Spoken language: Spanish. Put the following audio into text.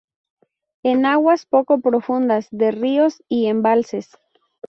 En aguas poco profundas de ríos y embalses.